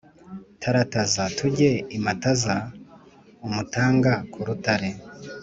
Tarataza tujye i Mataza-Umutanga ku rutare.